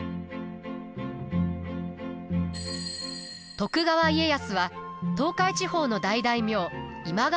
徳川家康は東海地方の大大名今川